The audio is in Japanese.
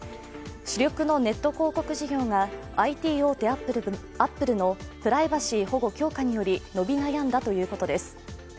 主力のネット広告事業がＩＴ大手アップルのプライバシー保護強化により伸び悩んだということです。